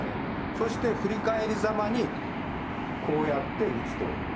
そして振り返りざまに、こうやって撃つと。